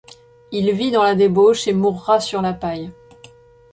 Il vit dans la débauche et mourra sur la paille.